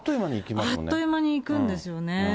あっという間に行くんですよね。